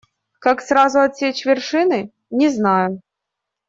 Как сразу отсечь вершины - не знаю.